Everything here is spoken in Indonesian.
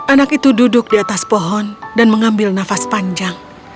anak itu duduk di atas pohon dan mengambil nafas panjang